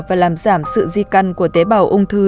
và làm giảm sự di căn của tế bào ung thư